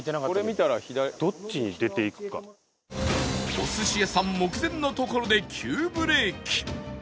お寿司屋さん目前のところで急ブレーキ